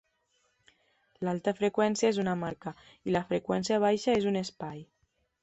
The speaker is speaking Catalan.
L'alta freqüència és una marca i la freqüència baixa és un espai.